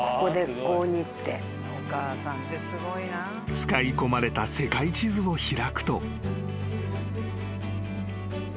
［使い込まれた世界地図を開くと］